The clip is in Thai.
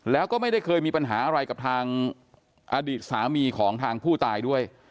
แล้วก็ไม่ได้เคยมีปัญหาอะไรกับทางอดีตสามีของทางผู้ตายด้วย